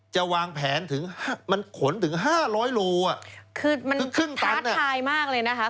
จะวางแผนถึงมันขนถึงห้าร้อยโลอ่ะคือมันครึ่งตาท้าทายมากเลยนะคะ